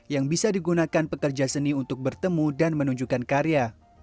yang bisa digunakan pekerja seni untuk bertemu dan menunjukkan karya